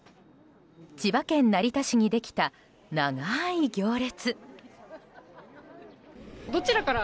千葉県成田市にできた長い行列。